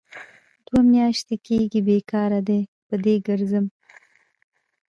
دوه میاشې کېږي بې کاره ډۍ په ډۍ کرځم.